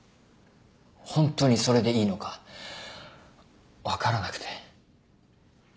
ホントにそれでいいのか分からなくて。